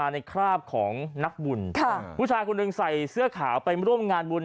คราบของนักบุญผู้ชายคนหนึ่งใส่เสื้อขาวไปร่วมงานบุญ